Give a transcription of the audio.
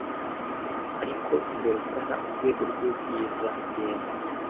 Ariko imbere ugana urwego rwubwiza - genda